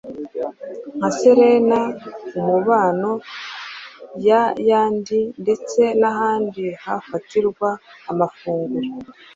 nka Serena, Umubano n’ayandi, ndetse n’ahandi hafatirwa amafunguro,